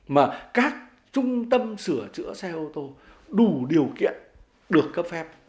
mà các trung tâm sửa chữa xe ô tô đủ điều kiện được cấp phép